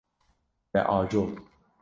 Te ajot.